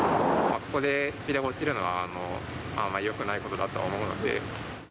ここでスピードが落ちるのはあまりよくないことだと思うので。